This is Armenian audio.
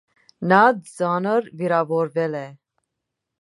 Նա ծանր վիրավորվել է։